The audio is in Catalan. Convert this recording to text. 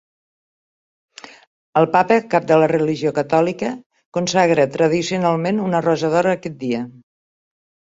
El papa, cap de la religió catòlica consagra tradicionalment una rosa d'or a aquest dia.